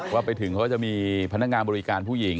ว่าไปถึงเขาจะมีพนักงานบริการผู้หญิง